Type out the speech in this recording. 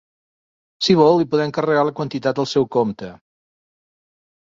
Si vol, li podem carregar la quantitat al seu compte.